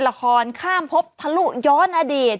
ละครข้ามพบทะลุย้อนอดีต